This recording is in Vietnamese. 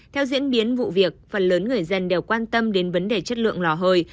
theo diễn biến vụ việc phần lớn người dân đều quan tâm đến vấn đề chất lượng lò hơi